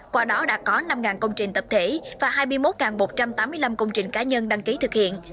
qua đó đã có năm công trình tập thể và hai mươi một một trăm tám mươi năm công trình cá nhân đăng ký thực hiện